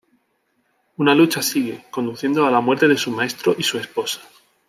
Una lucha sigue, conduciendo a la muerte de su maestro y su esposa.